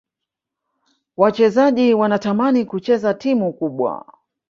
wachezaji wanatamani kucheza timu kubwa